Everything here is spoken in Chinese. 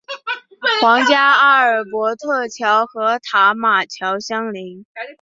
皇家阿尔伯特桥和塔马桥相邻。